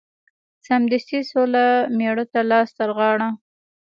سمدستي سوله مېړه ته لاس ترغاړه